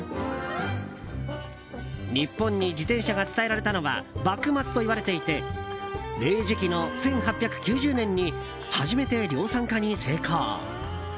日本に自転車が伝えられたのは幕末といわれていて明治期の１８９０年に初めて量産化に成功。